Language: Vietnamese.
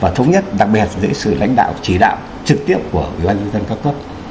và thống nhất đặc biệt là sự lãnh đạo chỉ đạo trực tiếp của quân dân các cấp